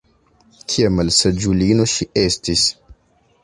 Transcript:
kia malsaĝulino ŝi estis!